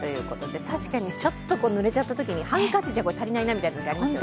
確かにちょっとぬれちゃったときにハンカチじゃ足りないなというときがありますね。